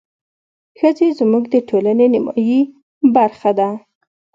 ښځې زموږ د ټولنې نيمايي برخه ده.